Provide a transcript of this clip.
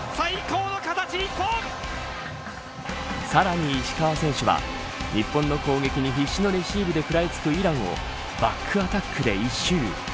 さらに石川選手は日本の攻撃に必死のレシーブで食らいつくイランをバックアタックで一蹴。